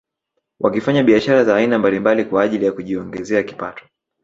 Wakifanya biashara za aina mbalimbali kwa ajili ya kujiongezea kipato